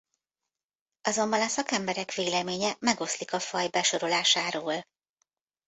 Azonban a szakemberek véleménye megoszlik a faj besorolásáról.